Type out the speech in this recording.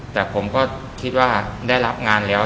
แต่ผมก็คิดว่าได้รับงานแล้ว